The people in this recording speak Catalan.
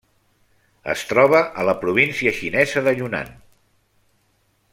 Es troba a la província xinesa de Yunnan.